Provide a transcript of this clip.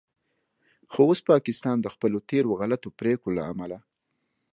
خو اوس پاکستان د خپلو تیرو غلطو پریکړو له امله